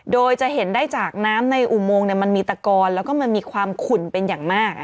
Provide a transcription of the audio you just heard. โดยจะเห็นได้จากน้ำในอุโมงมันมีตะกอนแล้วก็มันมีความขุ่นเป็นอย่างมาก